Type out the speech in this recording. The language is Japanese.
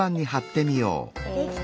できた。